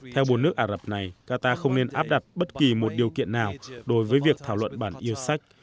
theo bốn nước ả rập này qatar không nên áp đặt bất kỳ một điều kiện nào đối với việc thảo luận bản yêu sách